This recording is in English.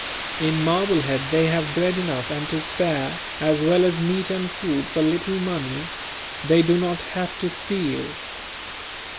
In Marblehead they have bread enough and to spare, as well as meat and fruit for little money they do not have to steal.